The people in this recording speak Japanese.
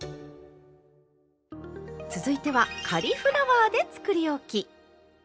続いてはカリフラワーでつくりおき。